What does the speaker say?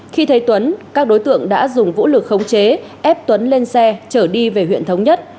khi thấy tuấn các đối tượng đã dùng vũ lực khống chế ép tuấn lên xe chở đi về huyện thống nhất